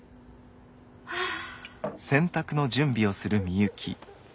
はあ。